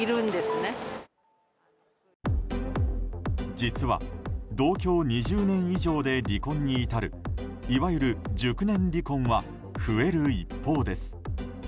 実は同居２０年以上で離婚に至るいわゆる熟年離婚は増える一方です。